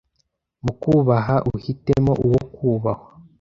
mu kubaha uhitemo uwo kubahwa